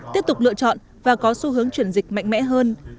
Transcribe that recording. tiếp tục lựa chọn và có xu hướng chuyển dịch mạnh mẽ hơn